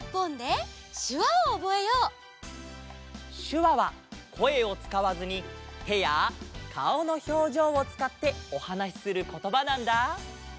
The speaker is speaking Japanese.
しゅわはこえをつかわずにてやかおのひょうじょうをつかっておはなしすることばなんだ。